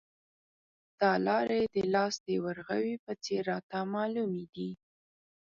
دا لارې د لاس د ورغوي په څېر راته معلومې دي.